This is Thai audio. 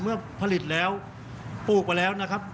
เมื่อผลิตแล้วปลูกไปแล้วนะครับ